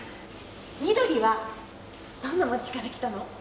緑は、どんな町から来たの？